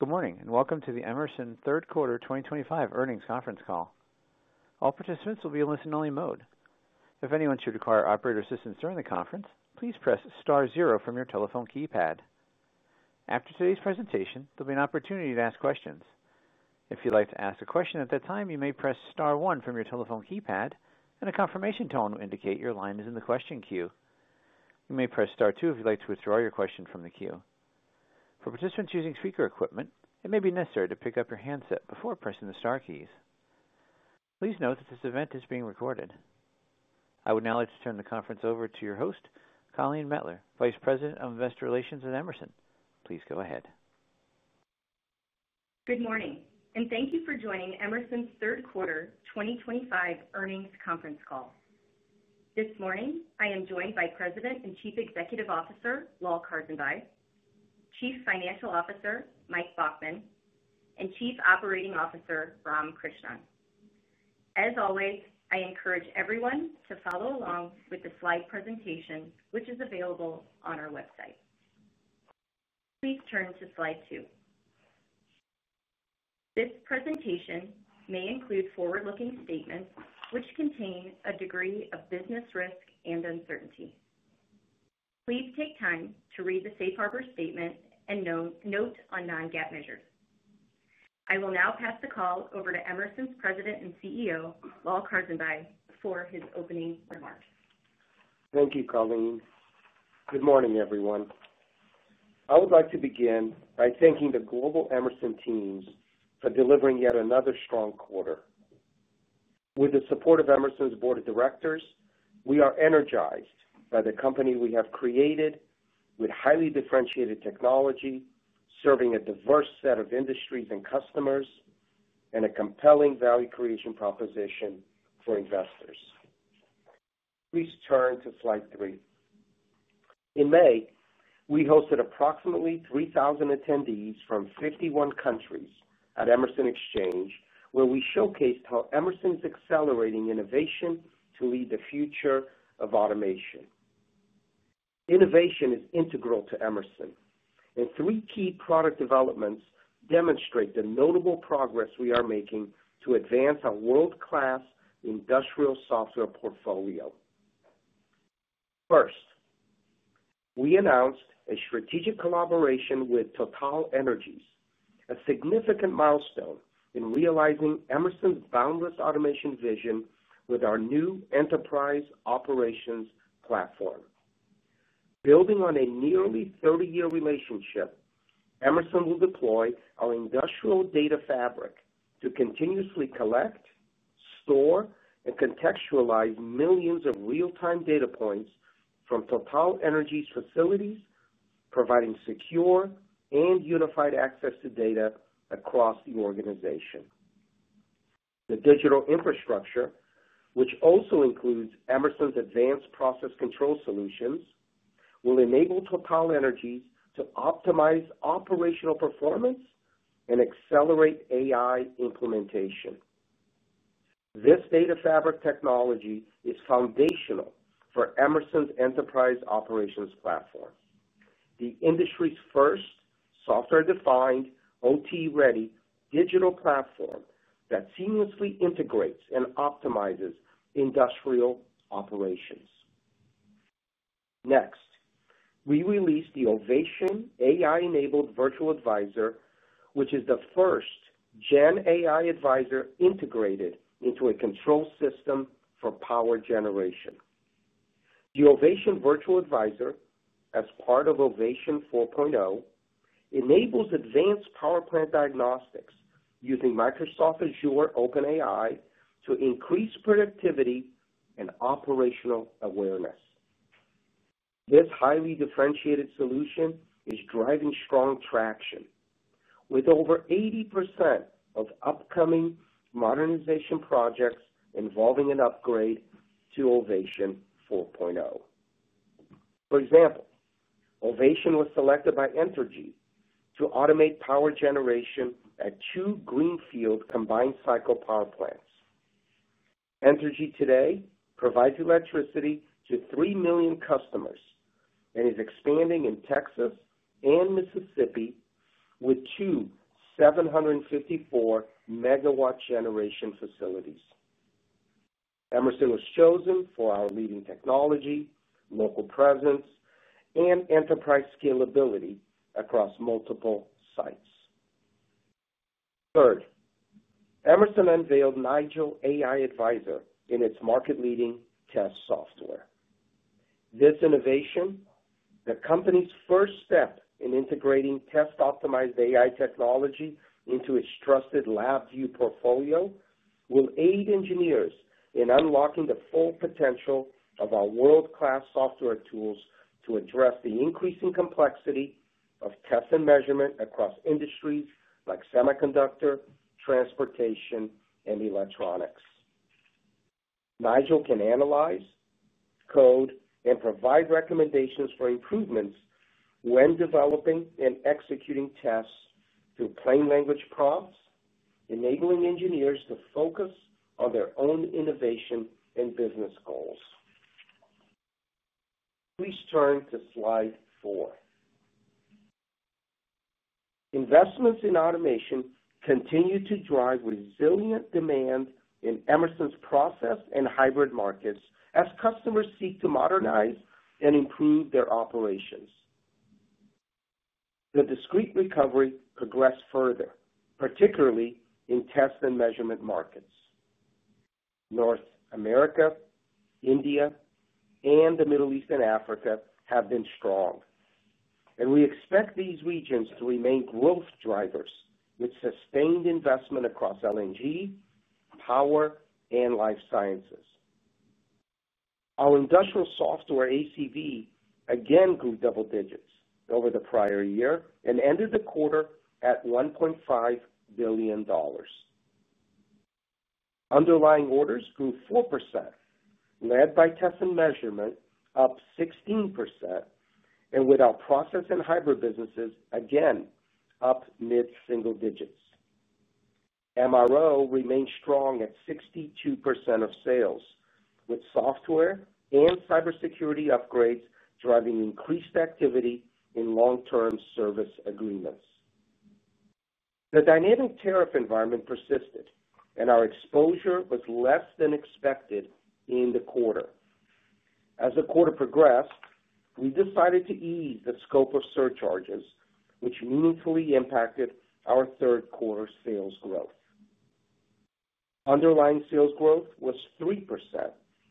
Good morning and welcome to the Emerson third quarter 2025 earnings conference call. All participants will be in listen-only mode. If anyone should require operator assistance during the conference, please press star zero from your telephone keypad. After today's presentation, there will be an opportunity to ask questions. If you'd like to ask a question at that time, you may press star one from your telephone keypad and a confirmation tone will indicate your line is in the question queue. You may press star two if you'd like to withdraw your question from the queue. For participants using speaker equipment, it may be necessary to pick up your handset before pressing the star keys. Please note that this event is being recorded. I would now like to turn the conference over to your host, Colleen Mettler, Vice President of Investor Relations at Emerson. Please go ahead. Good morning and thank you for joining Emerson's third quarter 2025 earnings conference call this morning. I am joined by President and Chief Executive Officer Lal Karsanbhai, Chief Financial Officer Mike Baughman, and Chief Operating Officer Ram Krishnan. As always, I encourage everyone to follow along with the slide presentation which is available on our website. Please turn to slide two. This presentation may include forward-looking statements which contain a degree of business risk and uncertainty. Please take time to read the Safe Harbor statement and note on non-GAAP measures. I will now pass the call over to Emerson's President and CEO Lal Karsanbhai for his opening remarks. Thank you, Colleen. Good morning everyone. I would like to begin by thanking the global Emerson teams for delivering yet another strong quarter with the support of Emerson's Board of Directors. We are energized by the company we have created with highly differentiated technology serving a diverse set of industries and customers and a compelling value creation proposition for investors. Please turn to slide three. In May, we hosted approximately 3,000 attendees from 51 countries at Emerson Exchange, where we showcased how Emerson is accelerating innovation to lead the future of automation. Innovation is integral to Emerson, and three key product developments demonstrate the notable progress we are making to advance our world-class industrial software portfolio. First, we announced a strategic collaboration with TotalEnergies, a significant milestone in realizing Emerson's boundless automation vision with our new Enterprise Operations Platform. Building on a nearly 30-year relationship, Emerson will deploy our industrial data fabric to continuously collect data, store, and contextualize millions of real-time data points from TotalEnergies' facilities, providing secure and unified access to data across the organization. The digital infrastructure, which also includes Emerson's advanced process control solutions, will enable TotalEnergies to optimize operational performance and accelerate AI implementation. This data fabric technology is foundational for Emerson's Enterprise Operations Platform, the industry's first software-defined OT-ready digital platform that seamlessly integrates and optimizes industrial operations. Next, we released the Ovation AI-enabled Virtual Advisor, which is the first Gen AI Advisor integrated into a control system for power generation. The Ovation Virtual Advisor, as part of Ovation 4.0, enables advanced power plant diagnostics using Microsoft Azure OpenAI to increase productivity and operational awareness. This highly differentiated solution is driving strong traction with over 80% of upcoming modernization projects involving an upgrade to Ovation 4.0. For example, Ovation was selected by Entergy to automate power generation at two greenfield combined cycle power plants. Entergy today provides electricity to 3 million customers and is expanding in Texas and Mississippi with two 754 MW generation facilities. Emerson was chosen for our leading technology, local presence, and enterprise scalability across multiple sites. Third, Emerson unveiled Nigel AI Advisor in its market leading test software. This innovation, the company's first step in integrating test optimized AI technology into its trusted LabVIEW portfolio, will aid engineers in unlocking the full potential of our world class software tools to address the increasing complexity of Test & Measurement across industries like semiconductor, transportation, and electronics. Nigel can analyze code and provide recommendations for improvements when developing and executing tests through plain language prompts, enabling engineers to focus on their own innovation and business goals. Please turn to slide four. Investments in automation continue to drive resilient demand in Emerson's process and hybrid markets as customers seek to modernize and improve their operations. The discrete recovery progressed further, particularly in Test & Measurement markets. North America, India, and the Middle East and Africa have been strong, and we expect these regions to remain growth drivers with sustained investment across LNG, power, and life sciences. Our industrial software ACV again grew double digits over the prior year and ended the quarter at $1.5 billion. Underlying orders grew 4%, led by Test & Measurement up 16% and with our process and hybrid businesses again up mid-single digits. MRO remains strong at 62% of sales with software and cybersecurity upgrades driving increased activity in long term service agreements. The dynamic tariff environment persisted, and our exposure was less than expected in the quarter. As the quarter progressed, we decided to ease the scope of surcharges, which meaningfully impacted our third quarter sales growth. Underlying sales growth was 3%,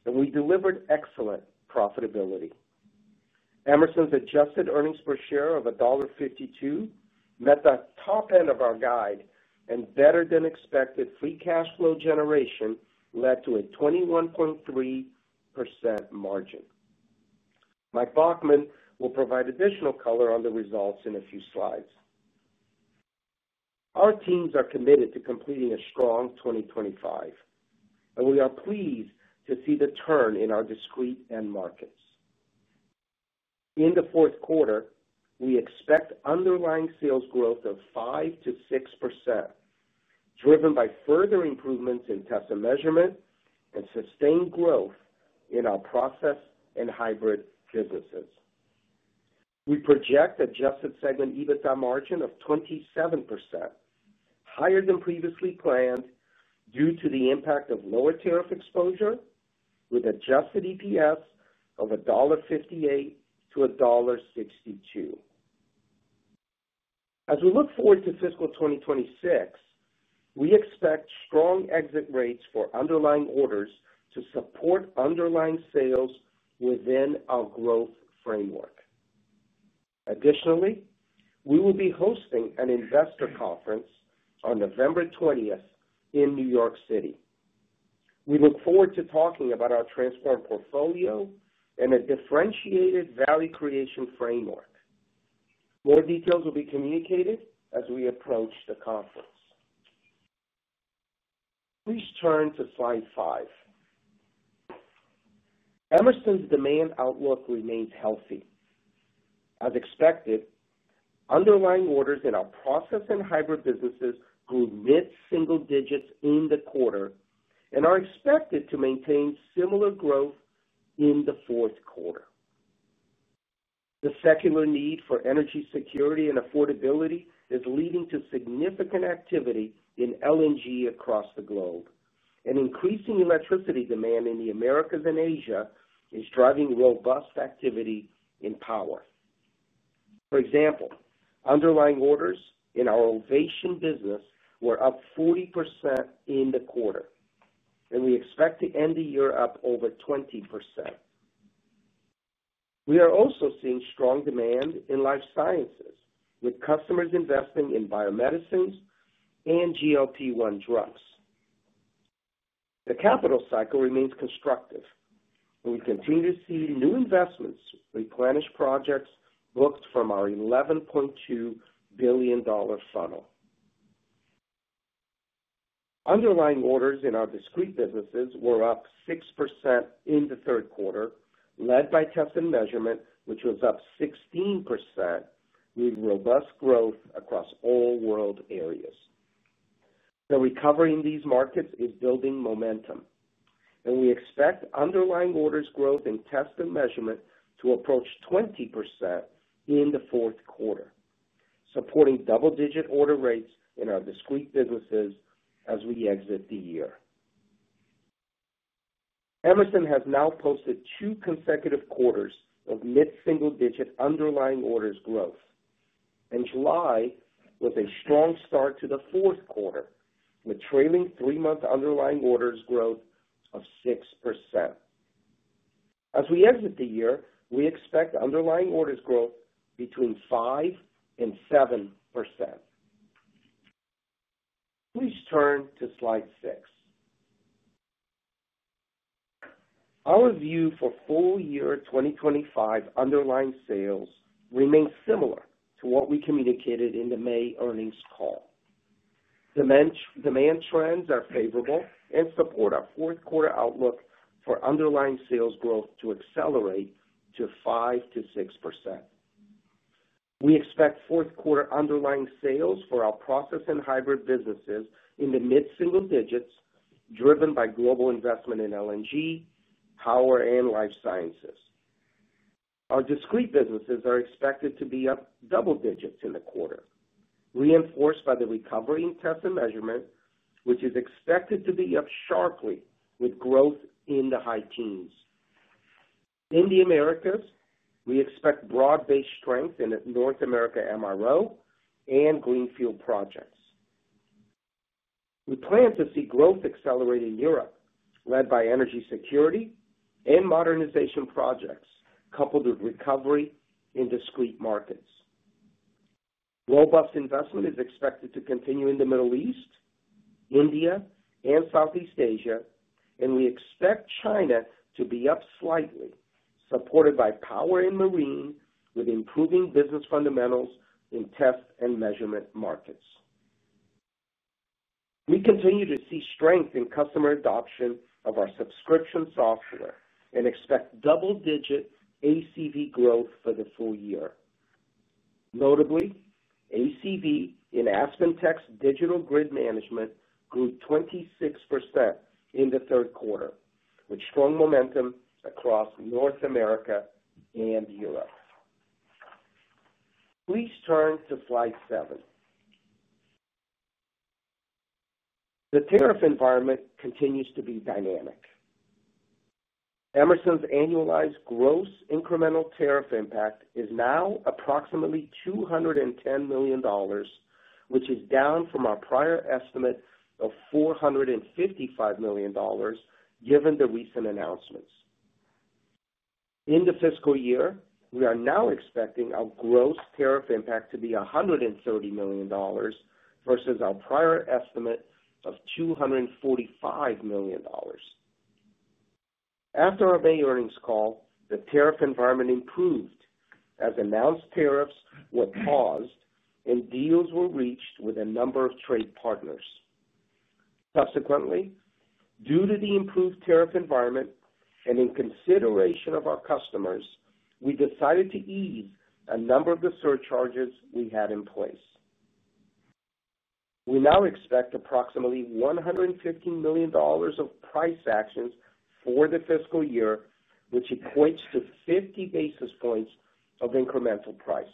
and we delivered excellent profitability. Emerson's adjusted earnings per share of $1.52 met the top end of our guide, and better than expected free cash flow generation led to a 21.3% margin. Mike Baughman will provide additional color on the results in a few slides. Our teams are committed to completing a strong 2025, and we are pleased to see the turn in our discrete end markets. In the fourth quarter, we expect underlying sales growth of 5%-6% driven by further improvements in Test & Measurement and sustained growth in our process and hybrid businesses. We project adjusted segment EBITDA margin of 27%, higher than previously planned due to the impact of lower tariff exposure, with adjusted EPS of $1.58-$1.62. As we look forward to fiscal 2026, we expect strong exit rates for underlying orders to support underlying sales within our growth framework. Additionally, we will be hosting an investor conference on November 20th in New York City. We look forward to talking about our transformed portfolio and a differentiated value creation framework. More details will be communicated as we approach the conference. Please turn to slide five. Emerson's demand outlook remains healthy as expected. Underlying orders in our process and hybrid businesses grew mid single digits in the quarter and are expected to maintain similar growth in the fourth quarter. The secular need for energy security and affordability is leading to significant activity in LNG across the globe, and increasing electricity demand in the Americas and Asia is driving robust activity in power. For example, underlying orders in our Ovation business were up 40% in the quarter, and we expect to end the year up over 20%. We are also seeing strong demand in life sciences with customers investing in biomedicines and GLP-1 drugs. The capital cycle remains constructive. We continue to see new investments replenish projects booked from our $11.2 billion funnel. Underlying orders in our discrete businesses were up 6% in the third quarter, led by Test & Measurement, which was up 16%. We need robust growth across all world areas. The recovery in these markets is building momentum, and we expect underlying orders growth in Test & Measurement to approach 20% in the fourth quarter, supporting double digit order rates in our discrete businesses as we exit the year. Emerson has now posted two consecutive quarters of mid single digit underlying orders growth, and July was a strong start to the fourth quarter with trailing three month underlying orders growth of 6%. As we exit the year, we expect underlying orders growth between 5% and 7%. Please turn to slide six. Our view for full year 2025 underlying sales remains similar to what we communicated in the May earnings call. Demand trends are favorable and support our fourth quarter outlook for underlying sales growth to accelerate to 5%-6%. We expect fourth quarter underlying sales for our process and hybrid businesses in the mid single digits, driven by global investment in LNG, power, and life sciences. Our discrete businesses are expected to be up double digits in the quarter, reinforced by the recovery in Test & Measurement which is expected to be up sharply with growth in the high teens in the Americas. We expect broad-based strength in North America MRO and greenfield projects. We plan to see growth accelerate in Europe, led by energy security and modernization projects, coupled with recovery in discrete markets. Robust investment is expected to continue in the Middle East, India, and Southeast Asia, and we expect China to be up slightly, supported by power and marine with improving business fundamentals in Test & Measurement markets. We continue to see strength in customer adoption of our subscription software and expect double-digit ACV growth for the full year. Notably, ACV in AspenTech digital grid management grew 26% in the third quarter with strong momentum across North America and Europe. Please turn to slide seven. The tariff environment continues to be dynamic. Emerson's annualized gross incremental tariff impact is now approximately $210 million, which is down from our prior estimate of $455 million. Given the recent announcements in the fiscal year, we are now expecting our gross tariff impact to be $130 million versus our prior estimate of $245 million. After our May earnings call, the tariff environment improved as announced, tariffs were paused and deals were reached with a number of trade partners. Subsequently, due to the improved tariff environment and in consideration of our customers, we decided to ease a number of the surcharges we had in place. We now expect approximately $150 million of price actions for the fiscal year, which equates to 50 basis points of incremental price.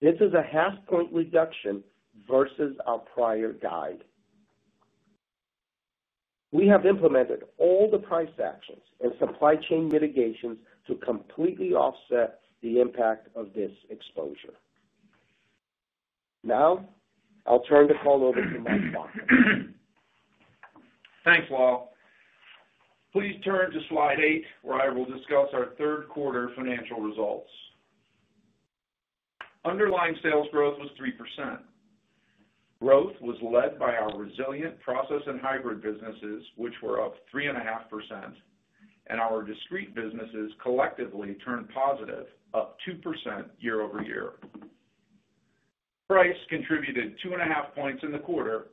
This is a half point reduction versus our prior guide. We have implemented all the price actions and supply chain mitigations to completely offset the impact of this exposure. Now I'll turn the call over to Mike Baughman. Thanks, Lal. Please turn to slide eight where I will discuss our third quarter financial results. Underlying sales growth was 3%. Growth was led by our resilient process and hybrid businesses which were up 3.5% and our discrete businesses collectively turned positive, up 2% year-over-year. Price contributed 2.5 points in the quarter,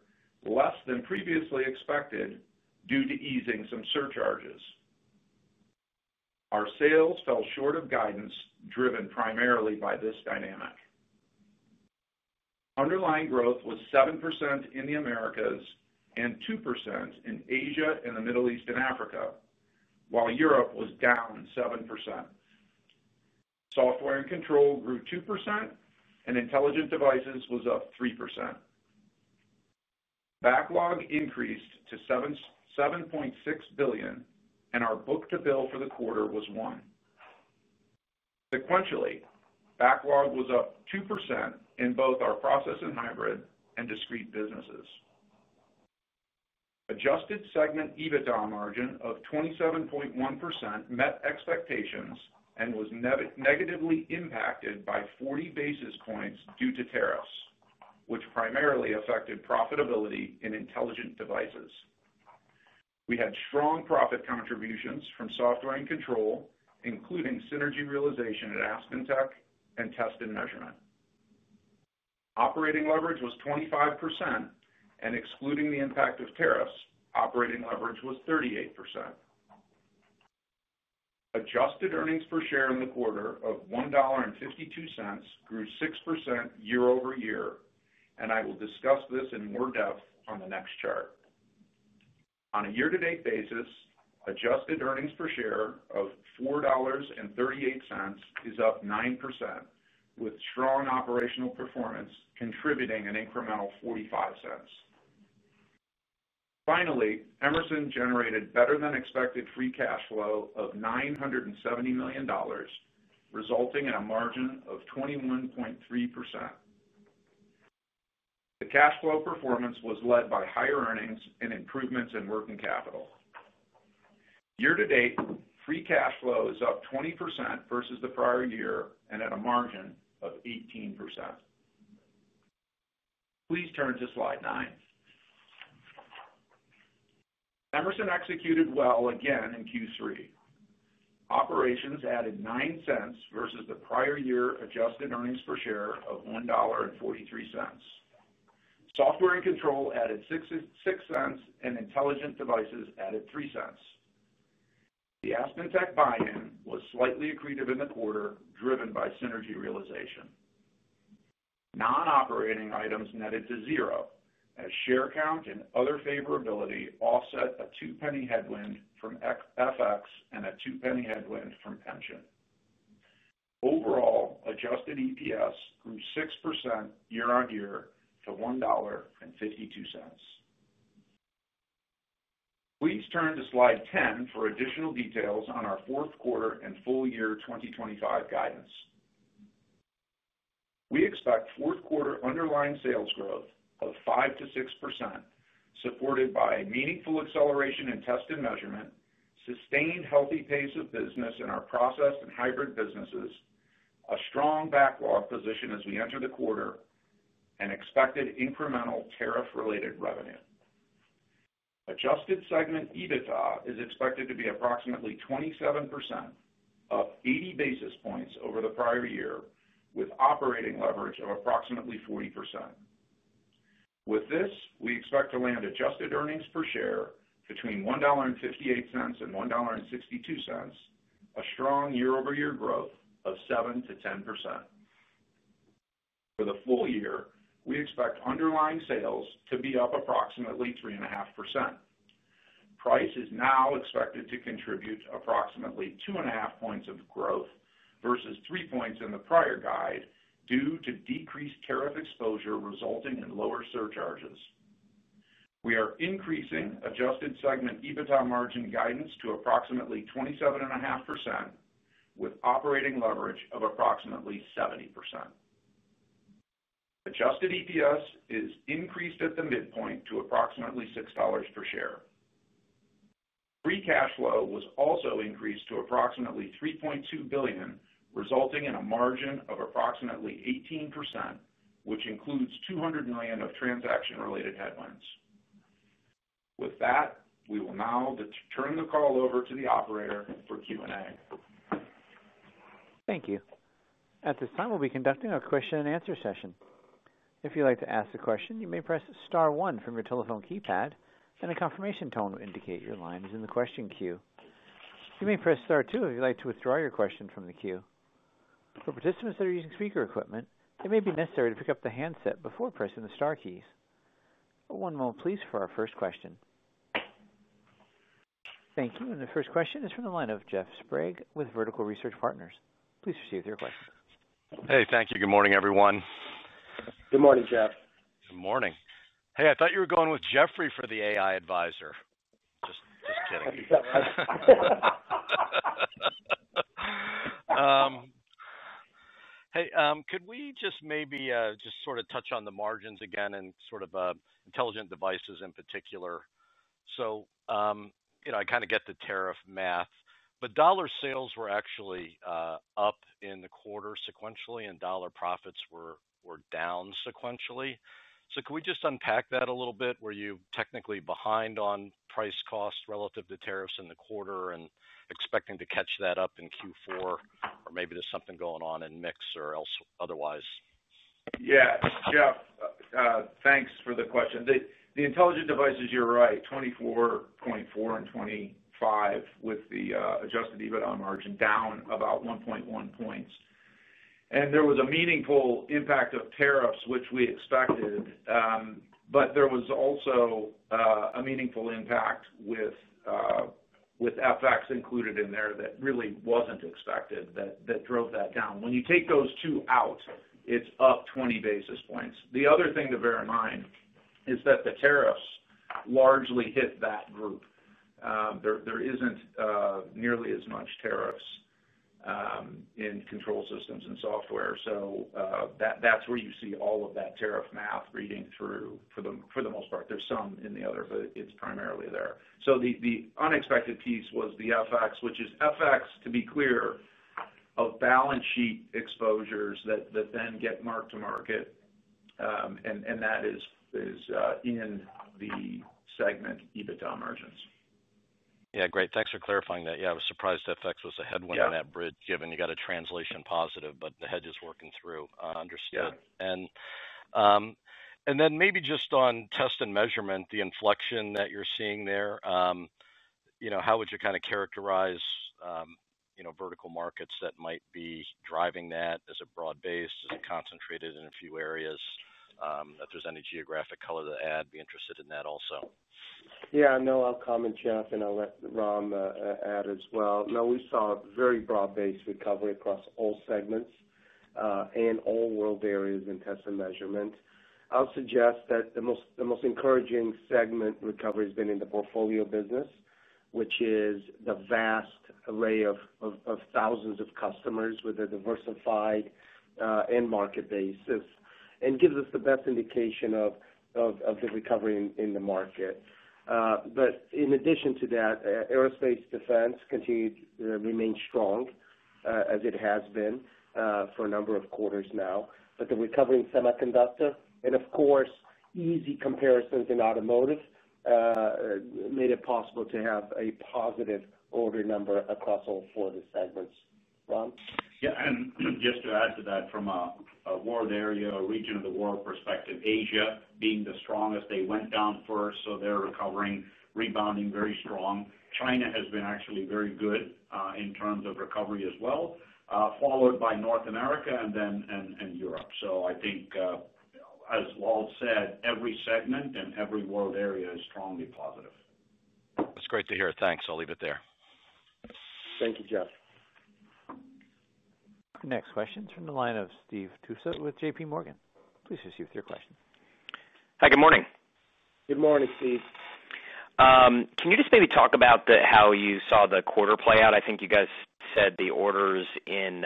less than previously expected due to easing some surcharges. Our sales fell short of guidance, driven primarily by this dynamic. Underlying growth was 7% in the Americas and 2% in Asia and the Middle East and Africa, while Europe was down 7%. Software and Control grew 2% and Intelligent Devices was up 3%. Backlog increased to $7.6 billion and our book to bill for the quarter was 1. Sequentially, backlog was up 2% in both our process and hybrid and discrete businesses. Adjusted segment EBITDA margin of 27.1% met expectations and was negatively impacted by 40 basis points due to tariffs, which primarily affected profitability in Intelligent Devices. We had strong profit contributions from Software and Control, including synergy realization at AspenTech and Test & Measurement. Operating leverage was 25% and, excluding the impact of tariffs, operating leverage was 38%. Adjusted earnings per share in the quarter of $1.52 grew 6% year-over-year and I will discuss this in more depth on the next chart. On a year to date basis, adjusted earnings per share of $4.38 is up 9% with strong operational performance contributing an incremental $0.45. Finally, Emerson generated better than expected free cash flow of $970 million, resulting in a margin of 21.3%. The cash flow performance was led by higher earnings and improvements in working capital year to date. Free cash flow is up 20% versus the prior year and at a margin of 18%. Please turn to slide nine. Emerson executed well again in Q3; operations added $0.09 versus the prior year. Adjusted earnings per share of $1.43, Software and Control added $0.06 and Intelligent Devices added $0.03. The AspenTech buy-in was slightly accretive in the quarter, driven by synergy realization. Non-operating items netted to zero as share count and other favorability offset a $0.02 headwind from FX and a $0.02 headwind from pension. Overall, adjusted EPS grew 6% year-on-year to $1.52. Please turn to slide 10 for additional details on our fourth quarter and full year 2025 guidance. We expect fourth quarter underlying sales growth of 5%-6% supported by meaningful acceleration in Test & Measurement, sustained healthy pace of business in our process and hybrid businesses, a strong backlog position as we enter the quarter, and expected incremental tariff-related revenue. Adjusted segment EBITDA is expected to be approximately 27%, up 80 basis points over the prior year with operating leverage of approximately 40%. With this, we expect to land adjusted earnings per share between $1.58 and $1.62, a strong year-over-year growth of 7%-10%. For the full year, we expect underlying sales to be up approximately 3.5%. Price is now expected to contribute approximately 2.5 points of growth versus 3 points in the prior guide due to decreased tariff exposure resulting in lower surcharges. We are increasing adjusted segment EBITDA margin guidance to approximately 27.5% with operating leverage of approximately 70%. Adjusted EPS is increased at the midpoint to approximately $6 per share. Free cash flow was also increased to approximately $3.2 billion, resulting in a margin of approximately 18%, which includes $200 million of transaction-related headwinds. With that, we will now turn the call over to the operator for Q and A. Thank you. At this time, we'll be conducting a question and answer session. If you'd like to ask a question, you may press star one from your telephone keypad, and a confirmation tone will indicate your line is in the question queue. You may press star two if you'd like to withdraw your question from the queue. For participants that are using speaker equipment, it may be necessary to pick up the handset before pressing the star keys. One moment, please, for our first question. Thank you. The first question is from the line of Jeff Sprague with Vertical Research Partners. Please proceed with your question. Thank you. Good morning, everyone. Good morning, Jeff. Good morning. Hey, I thought you were going with [Geoffrey] for the AI Advisor. Just kidding. Could we just maybe sort of touch on the margins again and sort of Intelligent Devices in particular? I kind of get the tariff math, but dollar sales were actually up in the quarter sequentially and dollar profits were down sequentially. Can we just unpack that a little bit? Were you technically behind on price cost relative to tariffs in the quarter and expecting to catch that up in Q4? Maybe there's something going on in mix or else otherwise. Yes. Jeff, thanks for the question. The Intelligent Devices, you're right. 2024, 2024 and 2025 with the adjusted EBITDA margin down about 1.1 points. There was a meaningful impact of tariffs, which we expected. There was also a meaningful impact with FX included in there that really wasn't expected. That drove that down when you take those two out, it's up 20 basis points. The other thing to bear in mind. The tariffs largely hit that group. There isn't nearly as much tariffs in Control Systems and Software. That's where you see all of that tariff math reading through for them. For the most part, there's some in the, it's primarily there. The unexpected piece was the FX, which is FX, to be clear, of balance sheet exposures that then get marked to market, and that is in the segment EBITDA margins. Yeah, great. Thanks for clarifying that. I was surprised FX was a headwind on that bridge given you got a translation positive. The hedge is working through. Understood. Maybe just on Test & Measurement, the inflection that you're seeing there, how would you kind of characterize vertical markets that might be driving that? Is it broad based, is it concentrated in a few areas? If there's any geographic color to add, be interested in that also. Yeah, I'll comment, Jeff, and I'll let Ram add as well. We saw a very broad-based recovery across all segments and all world areas in Test & Measurement. I'll suggest that the most encouraging segment recovery has been in the portfolio business, which is the vast array of thousands of customers with a diversified end market basis and gives us the best indication of the recovery in the market. In addition to that, aerospace defense continues to remain strong as it has been for a number of quarters now. The recovery in semiconductor and of course easy comparisons in automotive made it possible to have a positive order number across all Florida segments. Ram? Yeah, just to add to that, from a world area or region of the world perspective, Asia being the strongest, they went down first, so they're recovering, rebounding very strong. China has been actually very good in terms of recovery as well, followed by North America and then Europe. I think, as Lal said, every segment and every world area is strongly positive. That's great to hear. Thanks. I'll leave it there. Thank you, Jeff. Our next question is from the line of Steve Tusa with JPMorgan. Please proceed with your question. Hi, good morning. Good morning Steve. Can you just maybe talk about how did you see the quarter play out? I think you guys said the orders in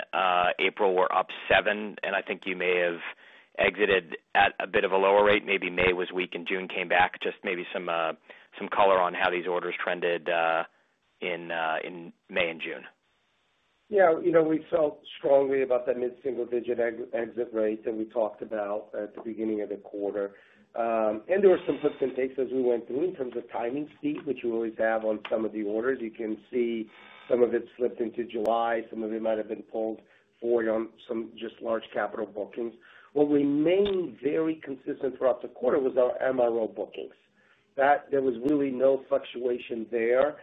April were up 7% and I think you may have exited at a bit of a lower rate. Maybe May was weak and June came back, just maybe some color on how these orders trended in May and June. Yeah, you know, we felt strongly about that mid single digit exit rate that we talked about at the beginning of the quarter. There were some puts and takes as we went through in terms of timing, Steve, which you always have on some of the orders. You can see some of it slipped into July, some of it might have been pulled or on some just large capital bookings. What remained very consistent throughout the quarter was our MRO bookings; there was really no fluctuation there,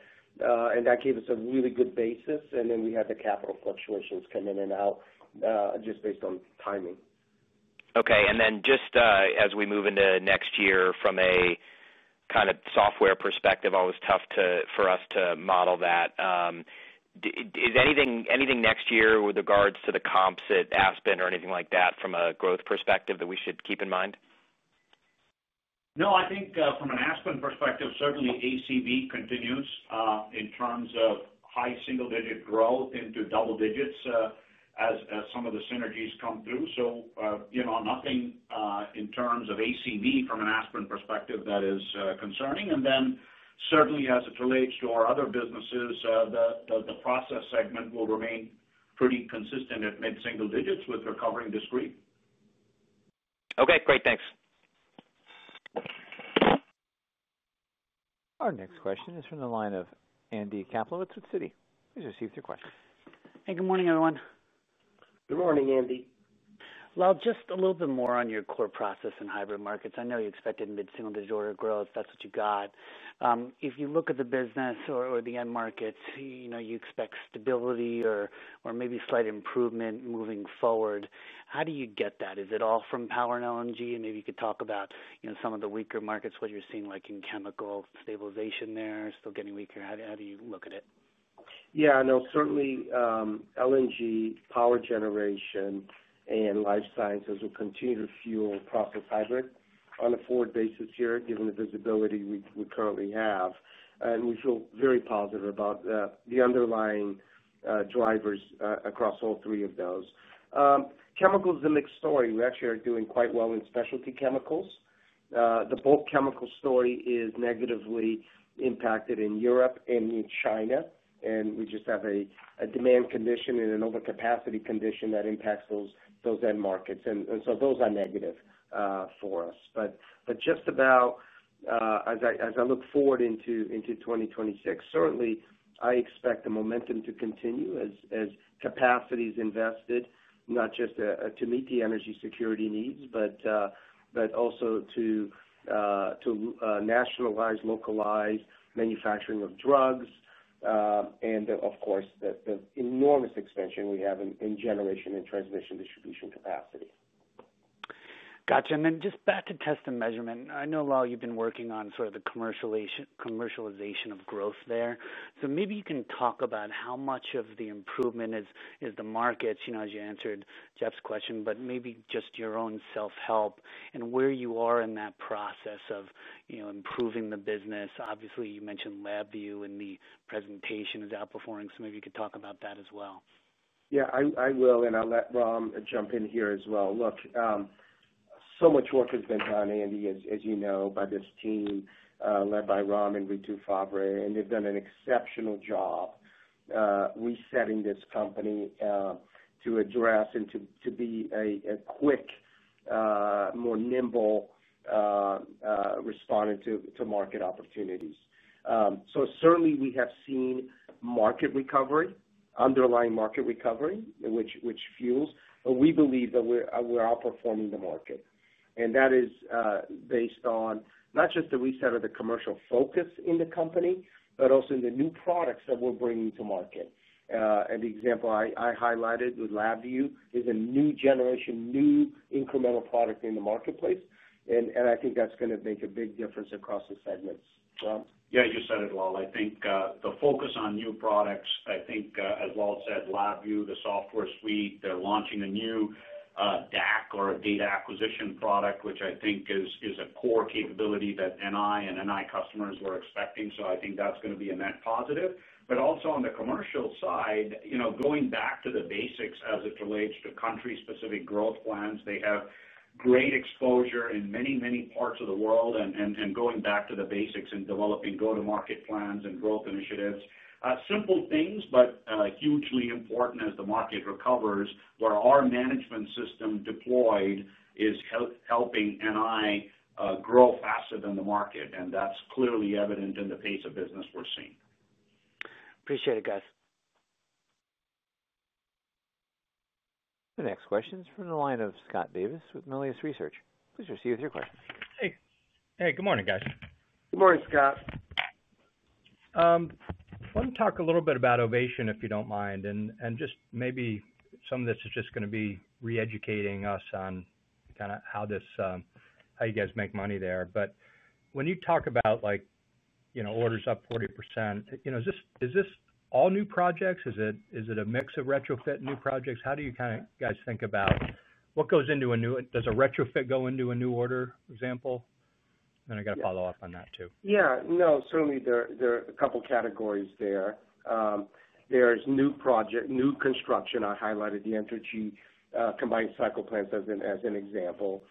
and that gave us a really good basis. We had the capital fluctuations come in and out just based on timing. Okay. Just as we move into next year from a kind of software perspective, always tough for us to model. That is anything next year with regards to the comps at Aspen or anything. Like that, from a growth perspective thaat we should keep in mind? No, I think from an Aspen perspective certainly ACV continues in terms of high single digit growth into double digits. Some of the synergies come through so nothing in terms of ACV from an Aspen perspective is concerning. Certainly, as it relates to our other businesses, the process segment will remain pretty consistent at mid single digits with recovering discrete. Okay, great, thanks. Our next question is from the line of Andy Kaplowitz with Citi. Please proceed with your question. Hey, good morning everyone. Good morning, Andy. Just a little bit more on your core process and hybrid markets. I know you expected mid single digit order growth. That's what you got. If you look at the business or the end markets, you expect stability or maybe slight improvement moving forward. How do you get that? Is it all from power and LNG? Maybe you could talk about some of the weaker markets. What you're seeing, like in chemical stabilization, are they still getting weaker? How do you look at it? Yeah, no, certainly LNG, power generation, and life sciences will continue to fuel process hybrid on a forward basis here, given the visibility we currently have, and we feel very positive about the underlying drivers across all three of those. Chemicals is a mixed story. We actually are doing quite well in specialty chemicals. The bulk chemical story is negatively impacted in Europe and in China, and we just have a demand condition and an overcapacity condition that impacts those end markets, and so those are negative for us. As I look forward into 2026, certainly I expect the momentum to continue as capacity is invested, not just to meet the energy security needs, but also to nationalize and localize manufacturing of drugs, and of course the enormous expansion we have in generation, transmission, and distribution capacity. Gotcha. Just back to Test & Measurement. I know Lal, you've been working on sort of the commercialization of growth there. Maybe you can talk about how much of the improvement is the markets as you answered Jeff's question, but maybe just your own self help and where you are in that process of improving the business. Obviously you mentioned LabVIEW and the presentation is outperforming, so maybe you could talk about that as well. Yeah, I will and I'll let Ram jump in here as well. Look, so much work has been done, Andy, as you know, by this team led by Ram and Ritu Favre. They've done an exceptional job resetting this company to address and to be a quick, more nimble respondent to market opportunities. Certainly we have seen market recovery, underlying market recovery, which fuels. We believe that we're outperforming the market and that is based on not just the reset of the commercial focus in the company, but also in the new products that we're bringing to market. The example I highlighted with LabVIEW is a new generation, new incremental product in the marketplace. I think that's going to make a big difference across the segments. Yeah, you said it, Lal. I think the focus on new products, I think as Lal said, LabVIEW, the software suite, they're launching a new DAQ or data acquisition product, which I think is a core capability that NI and NI customers were expecting. I think that's going to be a net positive. Also, on the commercial side, going back to the basics as it relates to country-specific growth plans, they have great exposure in many, many parts of the world. Going back to the basics and developing go-to-market plans and growth initiatives, simple things but hugely important as the market recovers. Where our management system deployed is helping NI grow faster than the market. That's clearly evident in the pace of business we're seeing. Appreciate it, guys. The next question is from the line of Scott Davis with Melius Research. Please proceed with your questions. Hey. Hey good morning, guys. Good morning. Scott. I wanted to talk a little bit about Ovation, if you don't mind. Maybe some of this is just going to be re-educating us on kind of how this, how you guys make money there. When you talk about like orders up 40%, you know, is this all new projects? Is it a mix of retrofit, new projects? How do you guys think about what goes into a new, does a retrofit go into a new order example? I have to follow up on that too. Yeah, no, certainly there are a couple categories there. There's new project, new construction. I highlighted the Entergy combined cycle plants as an example.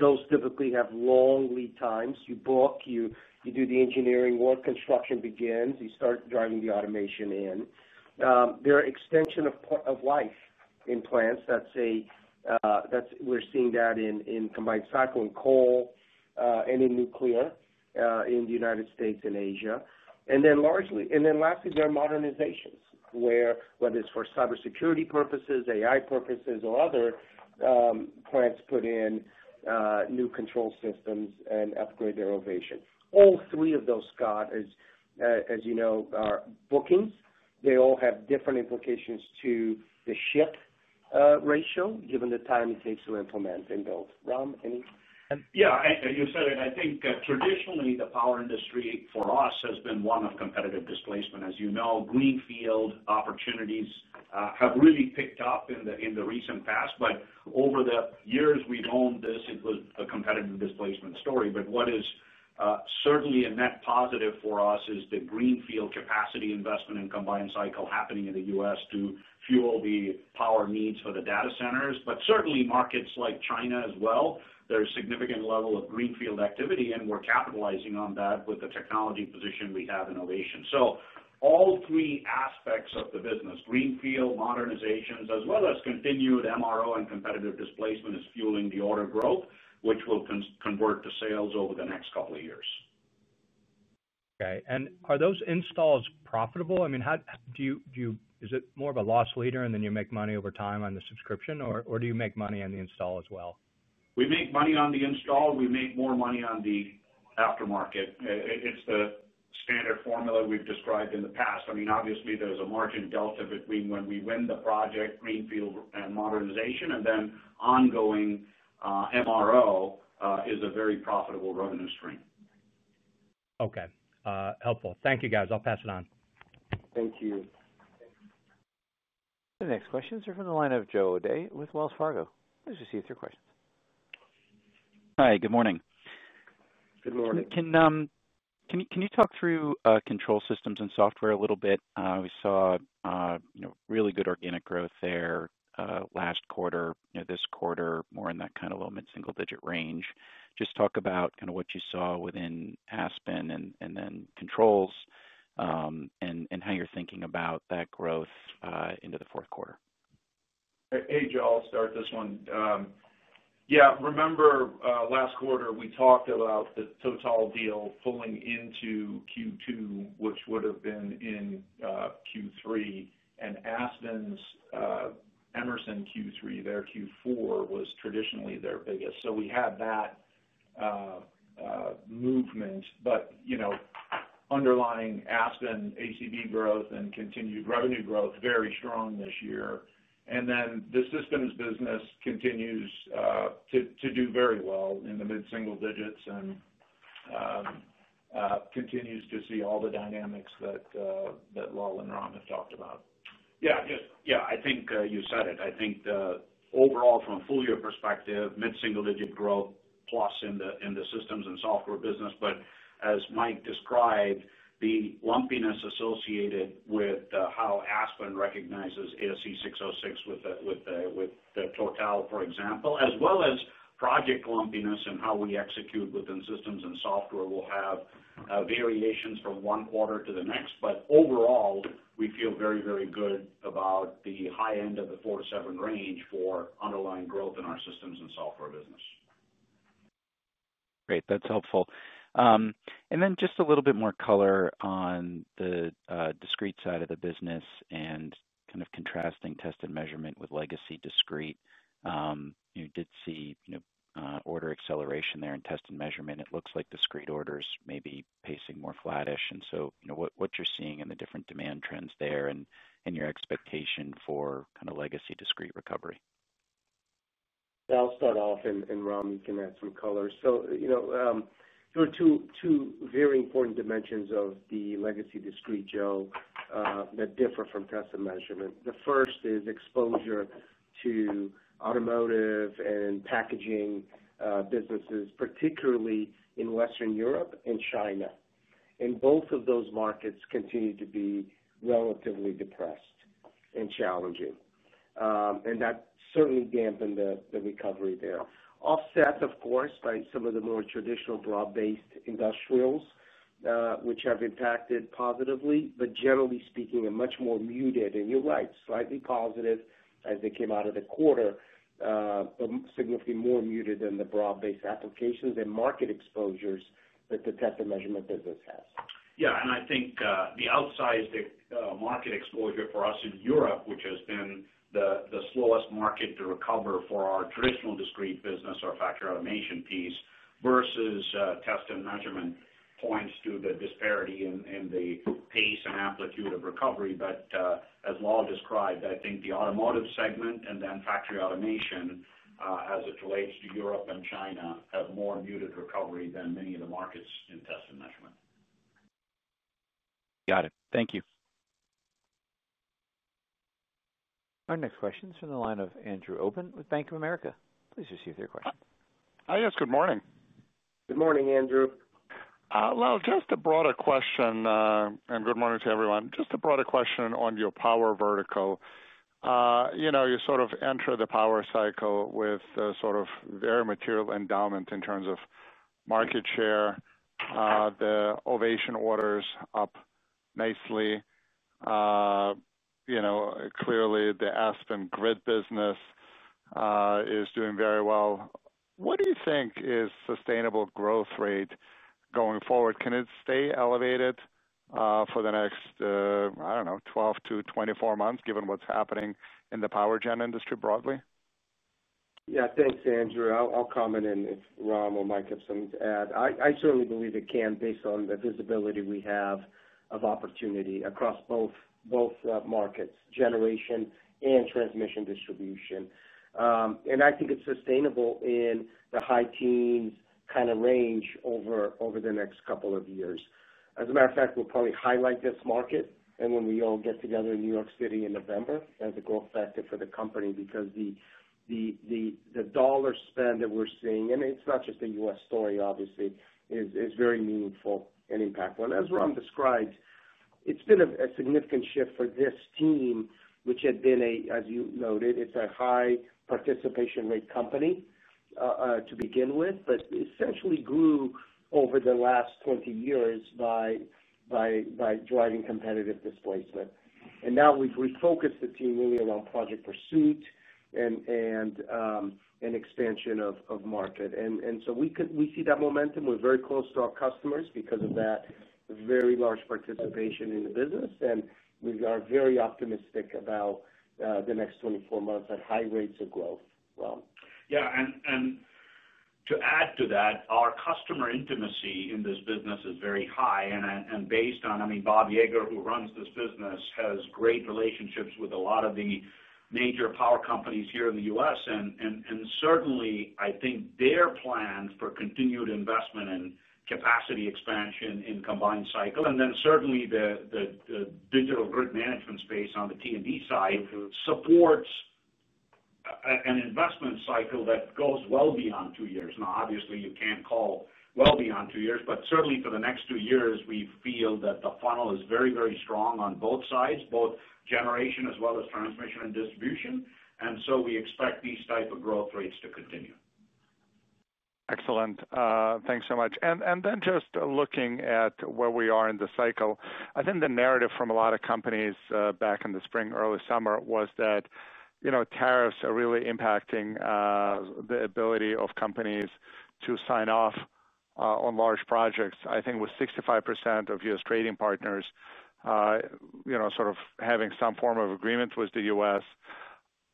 Those typically have long lead times. You book, you do the engineering work, construction begins, you start driving the automation in there. Extension of life in plants, we're seeing that in combined cycle and coal and in nuclear in the United States and Asia. Lastly, there are modernizations where, whether it's for cybersecurity purposes, AI purposes or other, plants put in new control systems and upgrade innovation. All three of those, Scott, as you know, are bookings. They all have different implications to the shift ratio given the time it takes to implement and build. Yeah, and you said it. I think traditionally the power industry for us has been one of competitive displacement. As you know, greenfield opportunities have really picked up in the recent past. Over the years we've owned this. It was a competitive displacement story. What is certainly a net positive for us is the greenfield capacity, investment, and combined cycle happening in the U.S. to fuel the power needs for the data centers. Certainly, markets like China as well, there's significant level of greenfield activity and we're capitalizing on that with the technology position. We have innovation. All three aspects of the business, greenfield, modernizations, as well as continued MRO and competitive displacement, is fueling the order growth. Growth which will convert to sales over the next couple of years. Okay, and are those installs profitable? I mean, how do you do you. Is it more of a loss leader and then you make money over time on the subscription, or do you make money on the install as well? We make money on the install, we make more money on the aftermarket. It's the standard formula we've described in the past. Obviously, there's a margin delta between when we win the project, greenfield modernization, and then ongoing MRO is a very profitable revenue stream. Okay, helpful. Thank you, guys. I'll pass it on. Thank you. The next questions are from the line of Joe O'Dea with Wells Fargo. Please proceed with your questions. Hi, good morning. Good morning. Can you talk through control systems software a little bit? We saw really good organic growth there last quarter. This quarter, more in that kind of low to mid single digit range. Just talk about what you saw within Aspen and then controls and how you're thinking about that growth into the fourth quarter. Hey Joe, I'll start this one. Remember last quarter we talked about the Total deal pulling into Q2, which would have been in Q3 in Aspen's Emerson Q3, their Q4 was traditionally their biggest. We had that movement but underlying Aspen ACV growth and continued revenue growth are very strong this year. The systems business continues to do very well in the mid single digits and continues to see all the dynamics that Lal and Ram have talked about. Yeah, I think you said it. I think overall from a full year perspective, mid single digit growth plus in the systems and software business. As Mike described, the lumpiness associated with how Aspen recognizes ASC 606 with Total, for example, as well as project lumpiness and how we execute within systems and software will have variations from one quarter to the next. Overall, we feel very, very good about the high end of the 4%-7% range for underlying growth in our systems and software business. Great, that's helpful. Just a little bit more color on the discrete side of the business and kind of contrasting Test & Measurement with legacy discrete. You did see order acceleration there in Test & Measurement. It looks like discrete orders may be pacing more flattish. What are you seeing in the different demand trends there and your expectation for kind of legacy discrete recovery. I'll start off and Ram can add some color. There are two very important dimensions of the legacy discrete, Joe, that differ from Test & Measurement. The first is exposure to automotive and packaging businesses, particularly in Western Europe and China. Both of those markets continue to be relatively depressed and challenging, and that certainly dampened the recovery there. Offset, of course, by some of the more traditional broad-based industrials, which have impacted positively, but generally speaking are much more muted, and you're right, slightly positive as they came out of the quarter, significantly more muted than the broad-based applications and market exposures that the Test & Measurement business has. Yeah. I think the outsized market exposure for us in Europe, which has been the slowest market to recover for our traditional discrete businesses or factory automation piece versus Test & Measurement, points to the disparity in the pace and amplitude of recovery. As Lal described, I think the automotive segment and then factory automation as it relates to Europe and China have more muted recovery than many of the markets in Test & Measurement. Got it. Thank you. Our next question is from the line of Andrew Obin with Bank of America. Please proceed with your question. Hi. Good morning. Good morning, Andrew. Good morning to everyone. Just a broader question on your power vertical. You sort of enter the power cycle with very material endowment in terms of market share. The Ovation orders are up nicely. Clearly, the Aspen grid business is doing very well. What do you think is a sustainable growth rate going forward? Can it stay elevated for the next 12 to 24 months given what's happening in the power generation industry broadly? Yeah, thanks Andrew. I'll comment in if Ram or Mike have something to add. I certainly believe it can based on the visibility we have of opportunity across both markets, generation and transmission distribution. I think it's sustainable in the high teens kind of range over the next couple of years. As a matter of fact, we'll probably highlight this market when we all get together in New York City in November as a growth factor for the company because the dollar spend that we're seeing, and it's not just a U.S. story obviously, is very meaningful and impactful. As Ram described, it's been a significant shift for this team, which had been, as you noted, it's a high participation rate company to begin with, but essentially grew over the last 20 years by driving competitive displacement. Now we've refocused the team really around project pursuit and an extension of market. We see that momentum. We're very close to our customers because of that very large participation in the business, and we are very optimistic about the next 24 months at high rates of growth. Ram? To add to that, our customer intimacy in this business is very high. Based on, I mean, Bob Yeager, who runs this business, has great relationships with a lot of the major power companies here in the U.S., and certainly I think their plan for continued investment in capacity expansion in combined cycle and certainly the digital grid management space on the T&D side supports an investment cycle that goes well beyond two years. Obviously, you can't call well beyond two years, but certainly for the next two years we feel that the funnel is very, very strong on both sides, both generation as well as transmission and distribution. We expect these type of growth rates to continue. Excellent. Thanks so much. Just looking at where we are in the cycle, I think the narrative from a lot of companies back in the spring and early summer was that tariffs are really impacting the ability of companies to sign off on large projects. I think with 65% of U.S. trading partners. Having some form of agreement with the U.S.,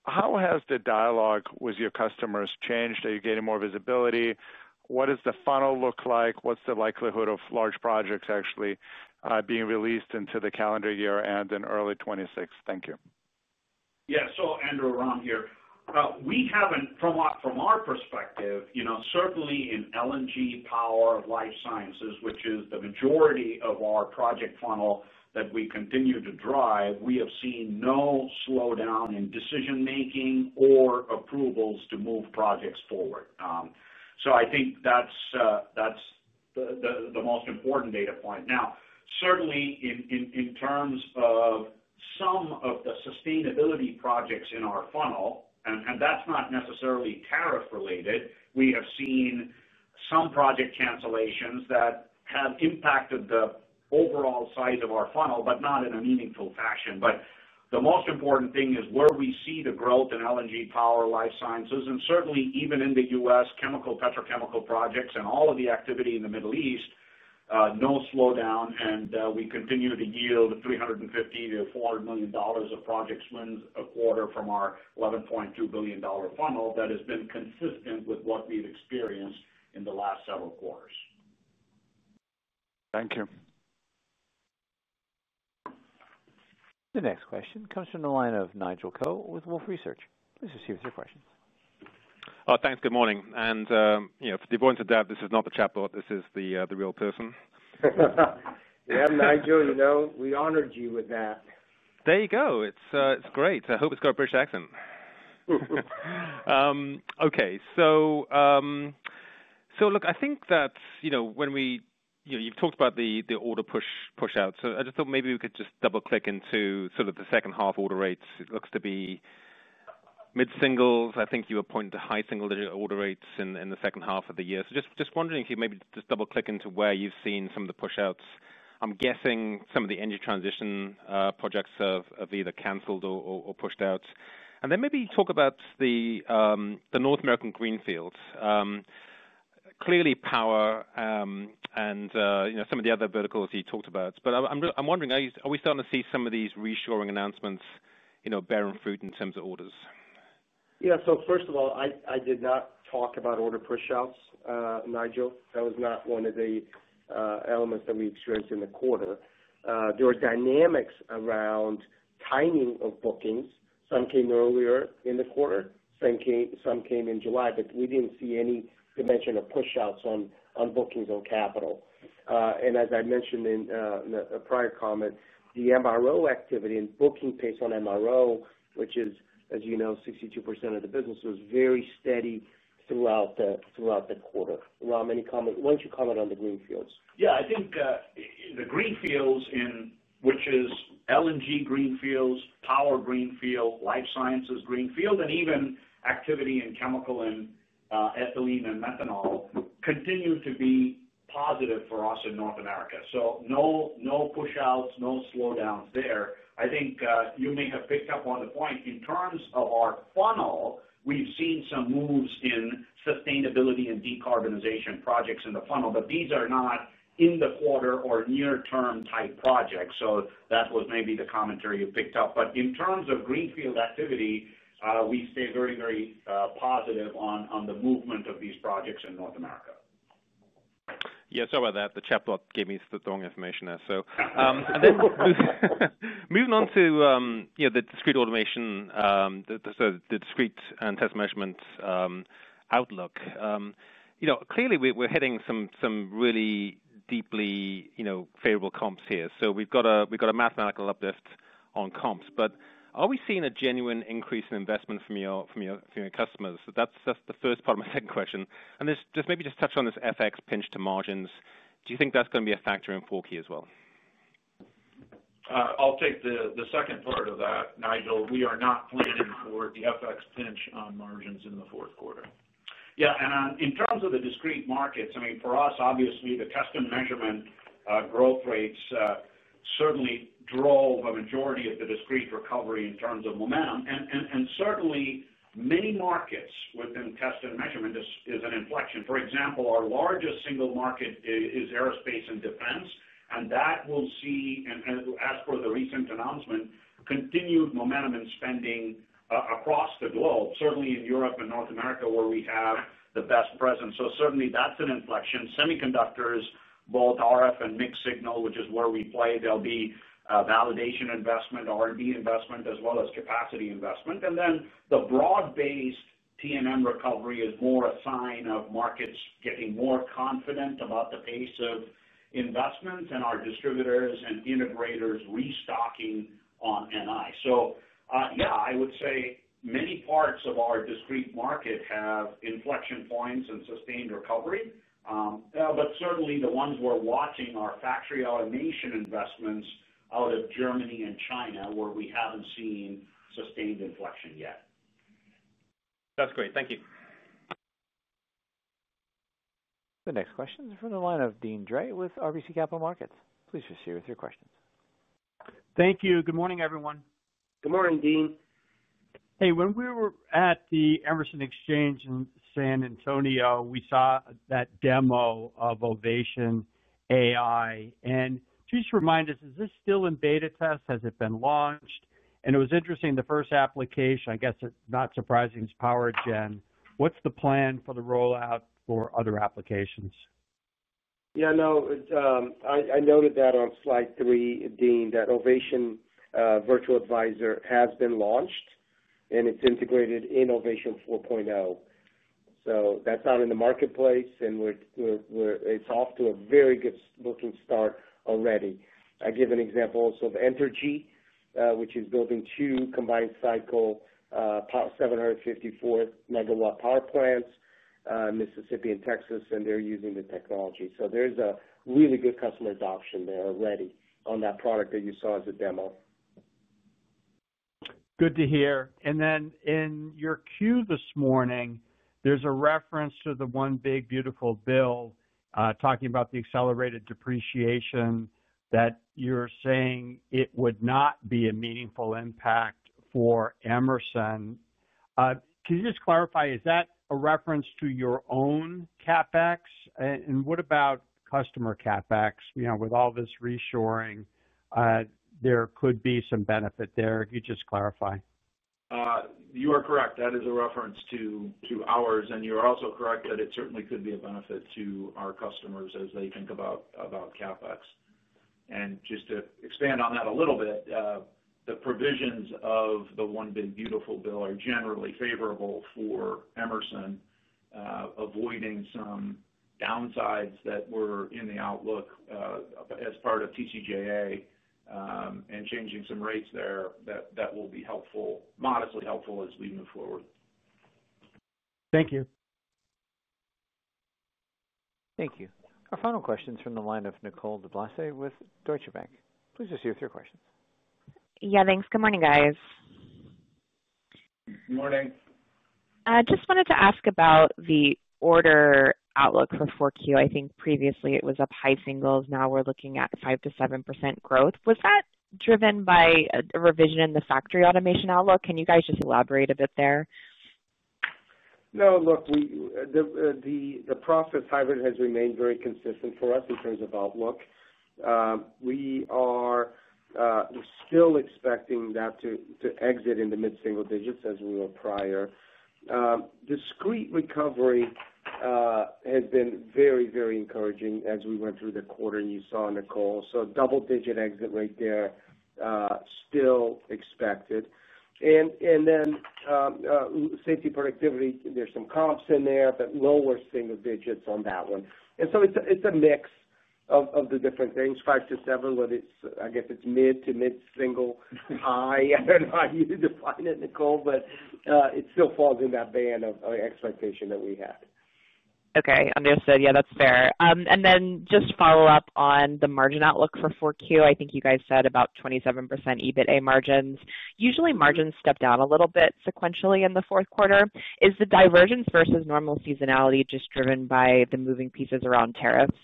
how has the dialogue with your customers changed? Are you getting more visibility? What does the funnel look like? What's the likelihood of large projects actually being released into the calendar year and in early 2026? Thank you. Yeah, so Andrew, Ram here. We haven't, from our perspective, you know, certainly in LNG, Power, Life Sciences, which is the majority of our project funnel that we continue to drive, we have seen no slowdown in decision making or approvals to move projects forward. I think that's the most important data point now, certainly in terms of some of the sustainability projects in our funnel, and that's not necessarily tariff related. We have seen some project cancellations that have impacted the overall size of our funnel, but not in a meaningful fashion. The most important thing is where we see the growth in LNG, Power, Life Sciences, and certainly even in the U.S. chemical, petrochemical projects and all of the activity in the Middle East, no slowdown, and we continue to yield $350 million-$400 million of project wins a quarter from our $11.2 billion funnel that has been consistent with what we've experienced in the last several quarters. Thank you. The next question comes from the line of Nigel Coe with Wolfe Research. Please proceed with your questions. Thanks. Good morning. And the point of that, this is not the chatbot, this is the real person. Yeah, Nigel, you know we honored you with that. There you go. It's great. I hope it's got a British accent. Okay, I think that when you've talked about the order push out, I just thought maybe we could just double click into sort of the second half order rates. It looks to be mid singles. I think you were pointing to high single digit order rates in the second half of the year. I'm just wondering if you maybe just double click into where you've seen some of the pushouts. I'm guessing some of the energy transition projects have either cancelled or pushed out. Maybe talk about the North American greenfield, clearly power and some of the other verticals you talked about. I'm wondering are we starting to see some of these reshoring announcements bearing fruit in terms of orders? Yeah. First of all, I did not talk about order pushouts, Nigel. That was not one of the elements that we experienced in the quarter. There are dynamics around timing of bookings. Some came earlier in the quarter, some came in July. We didn't see any dimension of pushouts on bookings on capital. As I mentioned in a prior comment, the MRO activity and booking pace on MRO, which is, as you know, 62% of the business, was very steady throughout the quarter. Lal, any comment? Why don't you comment on the greenfields? Yeah, I think the greenfields, which is LNG greenfields, power greenfield, life sciences greenfield, and even activity in chemical and ethylene and methanol, continue to be positive for us in North America. No push outs, no slowdowns there. I think you may have picked up on the point. In terms of our funnel, we've seen some moves in sustainability and decarbonization projects in the funnel, but these are not in the quarter or near term type projects. That was maybe the commentary you picked up. In terms of greenfield activity, we stay very, very positive on the movement of these projects in North America. Sorry about that, the chatbot gave me the wrong information there. Moving on to the discrete automation, the and Test & Measurement outlook. Clearly we're hitting some really deeply favorable comps here. We've got a mathematical uplift on comps. Are we seeing a genuine increase in investment from your customers? That's the first part of my second question, and maybe just touch on this FX pinch to margins. Do you think that's going to be a factor in Q4 as well? I'll take the second part of that, Nigel. We are not pointed in for the FX pinch margins in the fourth quarter. Yeah. In terms of the discrete markets, I mean for us obviously the Test & Measurement growth rates certainly drove a majority of the discrete recovery. In terms of momentum and certainly many markets within Test & Measurement, this is an inflection. For example, our largest single market is aerospace and defense and that will see, as for the recent announcement, continued momentum in spending across the globe, certainly in Europe and North America where we have the best presence. That's an inflection. Semiconductors, both RF and mixed signal, which is where we play. There'll be validation investment, R&D investment as well as capacity investment. The broad-based T&M recovery is more a sign of markets getting more confident about the pace of investments and our distributors and integrators restocking on NI. I would say many parts of our discrete market have inflection points and sustained recovery. The ones we're watching are factory automation investments out of Germany and China where we haven't seen sustained inflection yet. That's great. Thank you. The next question is from the line of Deane Dray with RBC Capital Markets. Please proceed with your questions. Thank you. Good morning, everyone. Good morning, Dean. Hey, when we were at the Emerson Exchange in San Antonio, we saw that demo of Ovation AI-enabled Virtual Advisor. Just remind us, is this still in beta test? Has it been launched? It was interesting, the first application, I guess it's not surprising, is Power Gen. What's the plan for the rollout for other applications? Yeah, no, I noted that on slide three, Dean, that Ovation AI-enabled Virtual Advisor has been launched and it's integrated with Innovation 4.0. That's now in the marketplace and it's off to a very good-looking start already. I give an example of Entergy, which is building two combined cycle 754 MW power plants in Mississippi and Texas, and they're using the technology, so there's a really good customer adoption there already on that product that you saw as a demo. Good to hear. In your queue this morning there's a reference to the one big beautiful bill talking about the accelerated depreciation that you're saying it would not be a meaningful impact for Emerson. Can you just clarify, is that a reference to your own CapEx? What about customer CapEx? With all this reshoring there could be some benefit there. If you just clarify. You are correct, that is a reference to ours. You are also correct that it certainly could be a benefit to our customers as they think about CapEx. To expand on that a little bit, the provisions of the One Big Beautiful Bill are generally favorable for Emerson, avoiding some downsides that were in the outlook as part of TCJA. Changing some rates there. That will be helpful, modestly helpful as we move forward. Thank you. Thank you. Our final question is from the line of Nicole DeBlase with Deutsche Bank. Please just go through your question. Yeah, thanks. Good morning, guys. Good morning. Just wanted to ask about the order outlook for 4Q. I think previously it was up high singles. Now we're looking at 5%-7% growth. Was that driven by a revision in the factory automation outlook? Can you guys just elaborate a bit there? No, look, the process hybrid has remained very consistent for us because of outlook. We are still expecting that to exit in the mid single digits as we were prior. Discrete recovery had been very, very encouraging as we went through the quarter. You saw, Nicole, double digit exit right there, still expected. Safety, productivity, there's some comps in there, but lower single digits on that one. It is a mix of the different things, 5%-7%, but I guess it's mid to mid single high. I don't know how you define it, Nicole, but it still falls in that band of expectation that we had. Okay, understood. Yeah, that's fair. Just follow up on the margin outlook for 4Q. I think you guys said about 27% EBITDA margin. Usually, margins step down a little bit sequentially in the fourth quarter. Is the divergence versus normal seasonality just driven by the moving pieces around tariffs?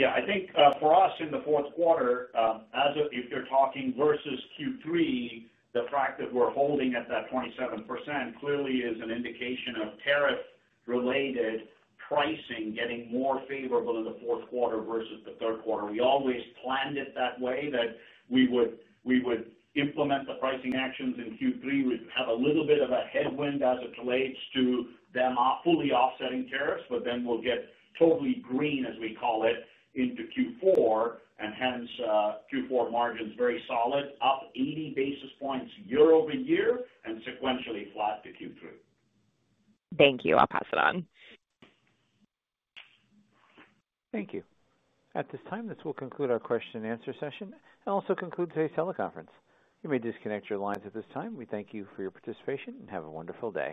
Yeah, I think for us in the fourth quarter, if you're talking versus Q3, the fact that we're holding at that 27% clearly is an indication of tariff-related pricing getting more favorable in the fourth quarter versus the third quarter. We always planned it that way that we would implement the pricing actions in Q3. We have a little bit of a headwind as it relates to them fully offsetting tariffs, but then we'll get totally green as we call it into Q4, and hence Q4 margins very solid, up 80 basis points year-over-year and sequentially flat to Q3. Thank you. I'll pass it on. Thank you. At this time, this will conclude our question and answer session and also conclude today's teleconference. You may disconnect your lines at this time. We thank you for your participation and have a wonderful day.